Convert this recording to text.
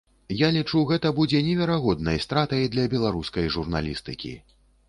Я лічу, гэта будзе неверагоднай стратай для беларускай журналістыкі.